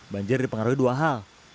banjir dipengaruhi dua hal